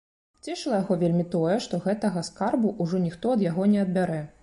Цешыла яго вельмі тое, што гэтага скарбу ўжо ніхто ад яго не адбярэ.